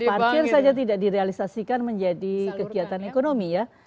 parkir saja tidak direalisasikan menjadi kegiatan ekonomi ya